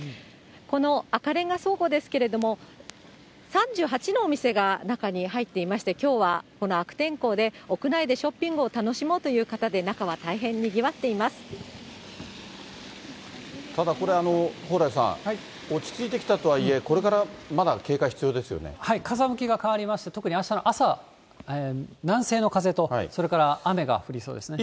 この赤レンガ倉庫ですけれども、３８のお店が中に入っていまして、きょうは、この悪天候で屋内でショッピングを楽しもうという方で、ただこれ、蓬莱さん、落ち着いてきたとはいえ、これからまだ警戒、風向きが変わりまして、特にあしたの朝、南西の風と、それから雨が降りそうですね。